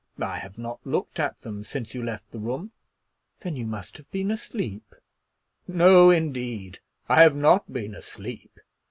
"I have not looked at them since you left the room." "Then you must have been asleep." "No, indeed; I have not been asleep.